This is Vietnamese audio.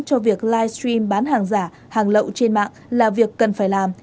cho việc livestream bán hàng giả hàng lậu trên mạng là việc cần phải làm